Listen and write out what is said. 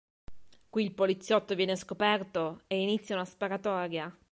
Qui il poliziotto viene scoperto e inizia una sparatoria.